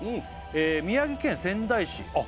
宮城県仙台市あっ